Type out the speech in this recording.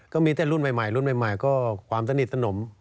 ก็มีแต่รุ่นใหม่ก็ความตะนิดตะหนม